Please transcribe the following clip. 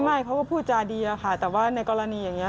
ไม่เขาก็พูดจาดีอะค่ะแต่ว่าในกรณีอย่างนี้